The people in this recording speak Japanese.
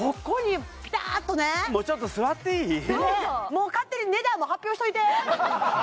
もう勝手に値段も発表しといて！